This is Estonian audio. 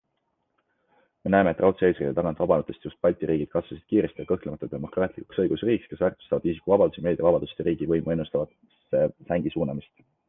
Me näeme, et raudse eesriide tagant vabanenutest just Balti riigid kasvasid kiiresti ja kõhklemata demokraatlikuks õigusriigiks, kes väärtustavad isikuvabadusi, meediavabadust ja riigi võimu ennustatavasse sängi suunamist.